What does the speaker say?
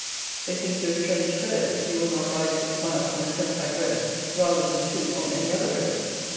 They think you a strange fellow if you will not ride six miles on a turnpike road rather than two on any other road.